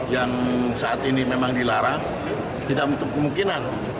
yang saat ini memang dilarang tidak menutup kemungkinan